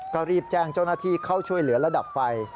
ก็รีบแจ้งเจ้าหน้าที่เข้าช่วยเหลือระดับไฟ